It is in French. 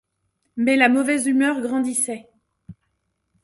Mais la mauvaise humeur grandissait.